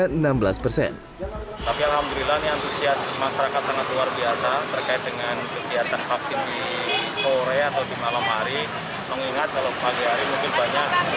tapi alhamdulillah ini antusiasi masyarakat sangat luar biasa